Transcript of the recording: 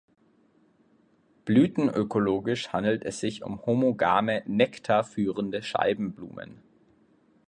Blütenökologisch handelt es sich um homogame „Nektar führende Scheibenblumen“.